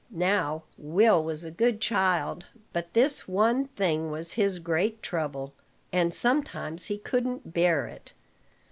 Now, Will was a good child; but this one thing was his great trouble, and sometimes he couldn't bear it.